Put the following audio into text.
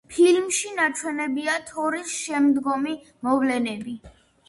ფილმში ნაჩვენებია თორის შემდგომი მოვლენები.